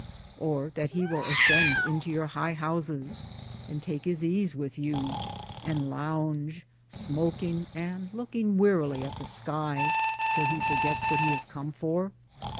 — or that he will ascend into your high houses and take his ease with you, and lounge smoking and looking wearily at the sky till he forgets what he has come for?